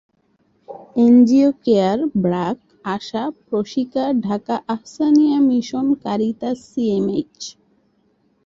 NGO CARE, BRAC, ASA, Proshika, Dhaka Ahsania mission, Caritas, CMH.